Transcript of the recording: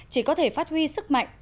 chỉ có thể phát huy sức mạnh